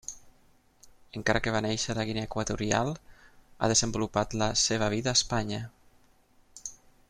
Encara que va néixer a Guinea Equatorial, ha desenvolupat la seva vida a Espanya.